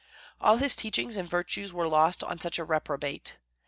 All his teachings and virtues were lost on such a reprobate.